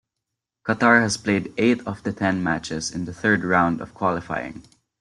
Qatar has played eight of the ten matches in the third round of qualifying.